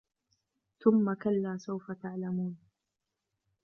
ثم كلا سوف تعلمون